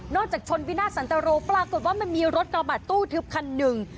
จากชนวินาทสันตรโรปรากฏว่ามันมีรถกระบะตู้ทึบคันหนึ่ง